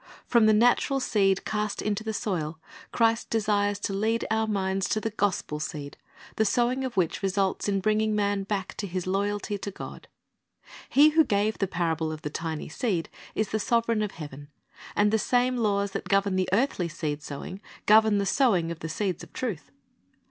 From the natural seed cast into the soil, Christ desires to lead our minds to the gospel seed, the sowing of which results in bringing man back to his loyalty to God. He who gave the parable of the tiny seed is the Sovereign of heaven, and the same laws that govern earthly seed sowing govern the sowing of the seeds of truth.